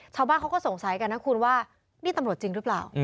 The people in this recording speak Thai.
ชาวบ้านเขาก็สงสัยกันนะคุณว่านี่ตำรวจจริงหรือเปล่า